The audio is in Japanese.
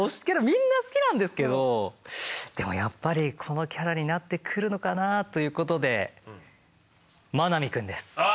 みんな好きなんですけどでもやっぱりこのキャラになってくるのかなあということで真波くんです。ああ！